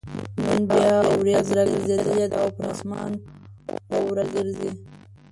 نن بيا اوريځ راګرځېدلې ده او پر اسمان اوره ګرځي